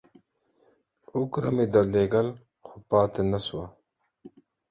اوگره مې درلېږل ، خو پاته نسوه.